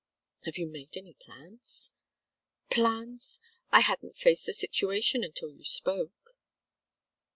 "Have you made any plans?" "Plans? I hadn't faced the situation until you spoke."